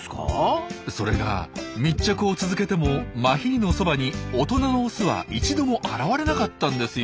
それが密着を続けてもマヒリのそばに大人のオスは一度も現れなかったんですよ。